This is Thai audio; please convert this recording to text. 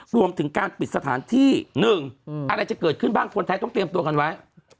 รวมถึงการปิดสถานที่๑อะไรจะเกิดขึ้นบ้างคนไทยต้องเตรียมตัวกันไว้